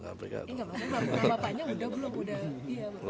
enggak makanya bapaknya udah belum